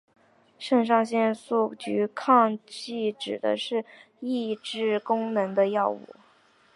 肾上腺素拮抗剂指的是抑制功能的药物。